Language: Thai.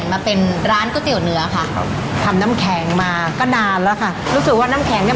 แล้วเราก็เลยมาหาตึกแถวเนี้ยค่ะแล้วอักกรงมันสูตรอะไรอย่างเงี้ย